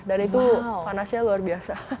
dan itu panasnya luar biasa